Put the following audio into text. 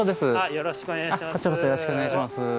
よろしくお願いします。